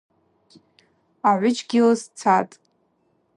Агӏвыджьгьи лызцатӏ.